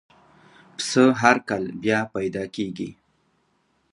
پسه هر کال بیا پیدا کېږي.